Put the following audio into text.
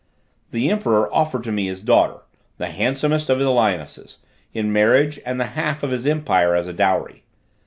The emperor offered to me his daughter, the handsomest of the lionesses, in marriage, and the half of his empire as a dowry.